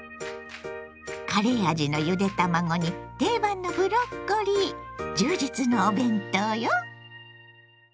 カレー味のゆで卵に定番のブロッコリー充実のお弁当よ。